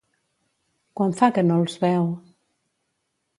Quant fa que no els veu?